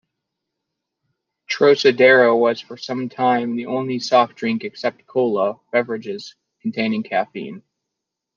Trocadero was for some time the only soft drink except cola beverages containing caffeine.